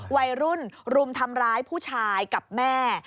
วัยรุ่นรุมทำร้ายผู้ชายกับแม่